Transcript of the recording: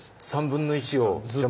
３分の１を毎年。